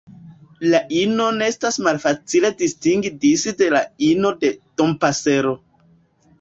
La inon estas malfacile distingi disde la ino de Dompasero.